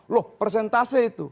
loh persentase itu